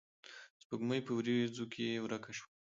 سپوږمۍ پۀ وريځو کښې ورکه شوه